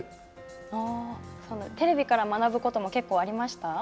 テレビから学ぶことも結構ありました？